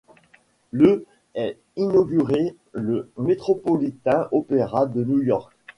Le est inauguré le Metropolitan Opera de New York.